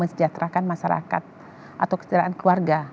mesejahterakan masyarakat atau kesejahteraan keluarga